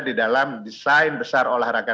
di dalam desain besar olahraga